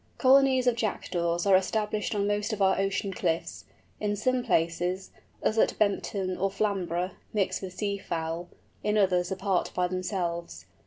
Colonies of Jackdaws are established on most of our ocean cliffs, in some places, as at Bempton or Flamborough, mixed with sea fowl, in others apart by themselves.